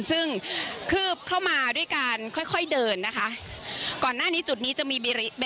ซึ่งคืบเข้ามาด้วยการค่อยค่อยเดินนะคะก่อนหน้านี้จุดนี้จะมี